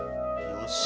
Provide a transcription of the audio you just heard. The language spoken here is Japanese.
よし。